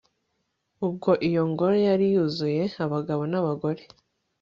ubwo iyo ngoro yari yuzuye abagabo n'abagore